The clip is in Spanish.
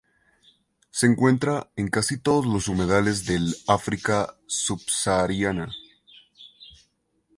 Se encuentra en casi todos los humedales del África subsahariana.